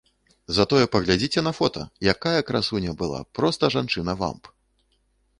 Затое паглядзіце на фота, якая красуня была, проста жанчына-вамп!